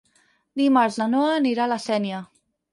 Dimarts na Noa anirà a la Sénia.